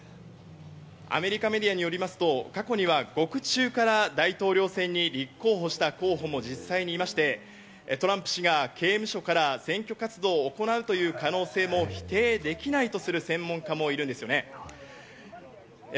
アメリカメディアによりますと過去には獄中から大統領選に立候補した候補も実際にいまして、トランプ氏が刑務所から選挙活動を行うという可能性も否定できないとする専門家もいるんですよね。